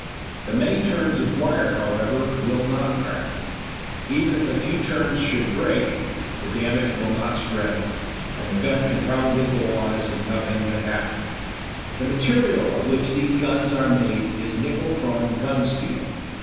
The many turns of wire, however, will not crack. Even if a few turns should break, the damage will not spread, and the gun can probably go on as if nothing had happened. The material of which these guns are made is nickel chrome gun steel.